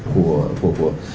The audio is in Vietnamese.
của của của